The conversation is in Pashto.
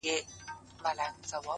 زه له سهاره تر ماښامه میکده کي پروت وم”